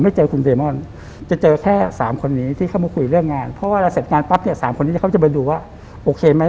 เวลาแรก๓คนตรงที่นี่เขาจะไปดูว่าโอเคไหม